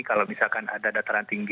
kalau misalkan ada dataran tinggi